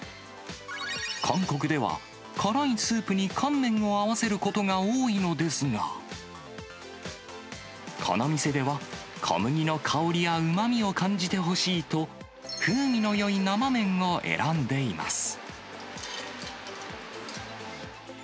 韓国では、辛いスープに乾麺を合わせることが多いのですが、この店では、小麦の香りやうまみを感じてほしいと、風味のよい生麺を選んでいます。